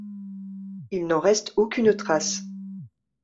Il n'en reste aucune trace.